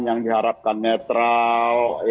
yang diharapkan netral